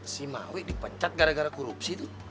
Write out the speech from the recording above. si mawi dipencet gara gara korupsi tuh